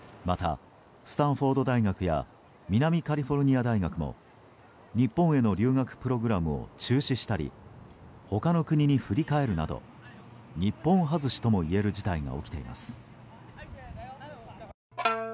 また、スタンフォード大学や南カリフォルニア大学も日本への留学プログラムを中止したり他の国に振り替えるなど日本外しともいえる事態が起きています。